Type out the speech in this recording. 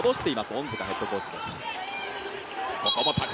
恩塚ヘッドコーチです。